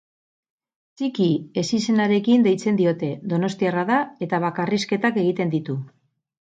Txiki ezizenarekin deitzen diote, donostiarra da eta bakarrizketak egiten ditu.